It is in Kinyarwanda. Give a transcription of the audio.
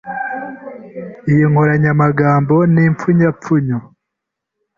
Iyi nkoranyamagambo ni impfunyapfunyo.